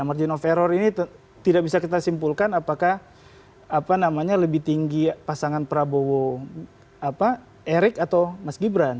margin of error ini tidak bisa kita simpulkan apakah lebih tinggi pasangan prabowo erik atau mas gibran